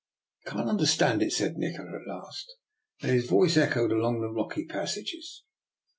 I cannot understand it," said Nikola at last, and his voice echoed along the rocky passages.